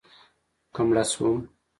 که مړه شوم